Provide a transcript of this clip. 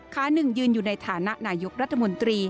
ขาหนึ่งยืนอยู่ในฐานะนายกรัฐมนตรี